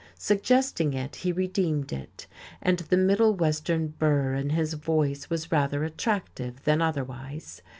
Suggesting it, he redeemed it: and the middle western burr in his voice was rather attractive than otherwise.